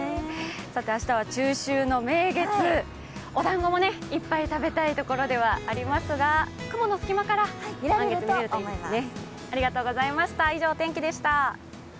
明日は中秋の名月、おだんごもいっぱい食べたいところではありますが、雲の隙間から満月が見られるといいですね。